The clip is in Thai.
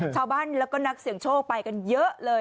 ชาวบ้านแล้วก็นักเสี่ยงโชคไปกันเยอะเลย